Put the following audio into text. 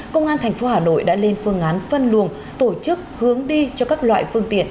công an thành phố hà nội đã lên phương án phân luồng tổ chức hướng đi cho các loại phương tiện